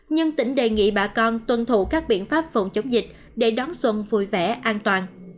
nhưng tỉnh đề nghị bà con tuân thủ các biện pháp phòng chống dịch để đón xuân vui vẻ an toàn